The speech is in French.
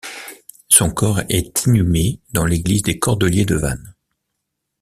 Son corps est inhumé dans l'église des Cordeliers de Vannes.